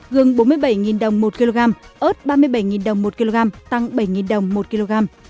gương bốn mươi bảy đồng một kg ớt ba mươi bảy đồng một kg tăng bảy đồng một kg